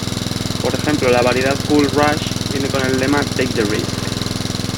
Por ejemplo, la variedad Cool Rush viene con el lema "Take The Risk".